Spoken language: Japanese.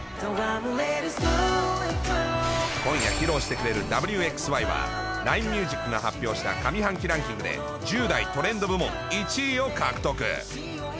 今夜披露してくれるＷ／Ｘ／Ｙはラインミュージックが発表した上半期ランキングで１０代トレンド部門１位を獲得。